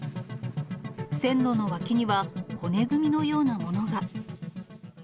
線路の脇には、骨組みのようなものが。